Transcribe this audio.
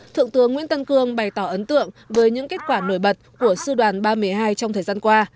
thượng tướng nguyễn tân cương bày tỏ ấn tượng với những kết quả nổi bật của sư đoàn ba trăm một mươi hai trong thời gian qua